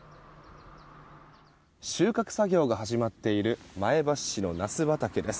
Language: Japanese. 収穫作業が始まっている前橋市のナス畑です。